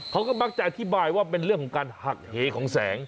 เขาก็มักจะอธิบายว่าเป็นเรื่องของการหักเหของแสง